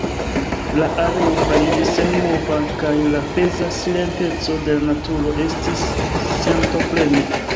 La aero fariĝis senmova, kaj la peza silenteco de la naturo estis sentoprema.